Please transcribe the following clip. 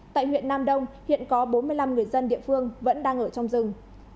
tại huyện nam đông hiện có bốn mươi năm người dân địa phương vẫn đang ở trong rừng